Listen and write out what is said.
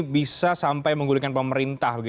bisa sampai menggulikan pemerintah